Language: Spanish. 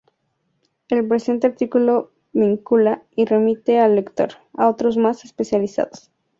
El presente artículo vincula, y remite al lector, a otros más especializados.